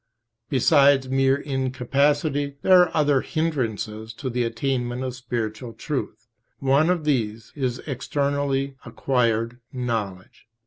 Besides mere incapacity, there are other {p. 28} hindrances to the attainment of spiritual truth. One of these is externally acquired knowledge.